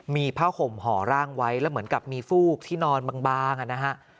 มีผ้าห่มห่อร่างไว้แล้วเหมือนกับมีฟูกที่นอนบางนะฮะ